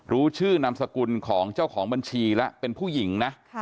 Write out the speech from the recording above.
รู้ชื่อนามสกุลของเจ้าของบัญชีแล้วเป็นผู้หญิงนะ